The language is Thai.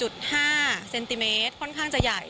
งูมีพิษกัดขนาดเขี้ยวก็คือ๑๕เซนติเมตรค่อนข้างจะใหญ่